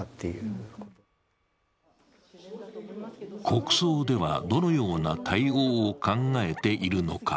国葬では、どのような対応を考えているのか。